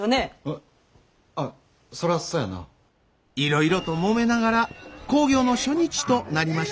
いろいろともめながら興行の初日となりました。